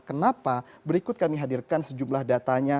kenapa berikut kami hadirkan sejumlah datanya